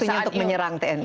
waktunya untuk menyerang tni